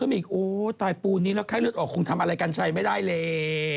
มีโอ้ตายปูนนี้แล้วไข้เลือดออกคงทำอะไรกัญชัยไม่ได้เลย